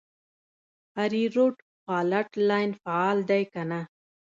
هریرود فالټ لاین فعال دی که نه؟